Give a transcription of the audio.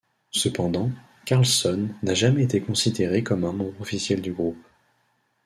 Cependant, Karlsson n'a jamais été considéré comme un membre officiel du groupe.